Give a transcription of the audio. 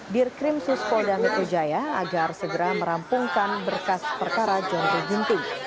birkrim sus polda metro jaya agar segera merampungkan berkas perkara john ruh ginting